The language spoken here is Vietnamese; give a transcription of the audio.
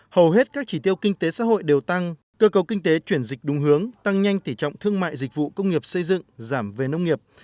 hầu hết các chỉ tiêu kinh tế xã hội đều tăng cơ cầu kinh tế chuyển dịch đúng hướng tăng nhanh tỉ trọng thương mại dịch vụ công nghiệp xây dựng giảm về nông nghiệp